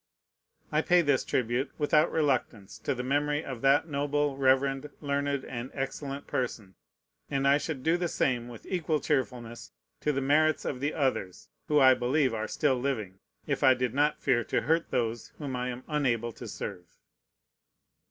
I pay this tribute without reluctance to the memory of that noble, reverend, learned, and excellent person; and I should do the same with equal cheerfulness to the merits of the others, who I believe are still living, if I did not fear to hurt those whom I am unable to serve.